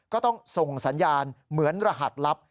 ก็ต้องส่งสัญญาณเหมือนรหัสลับ